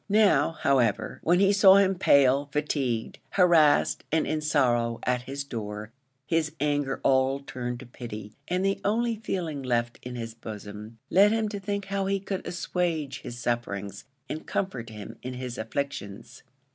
Now, however, when he saw him pale, fatigued, harassed, and in sorrow at his door, his anger all turned to pity, and the only feeling left in his bosom led him to think how he could assuage his sufferings and comfort him in his afflictions.